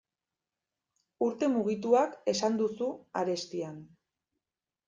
Urte mugituak esan duzu arestian.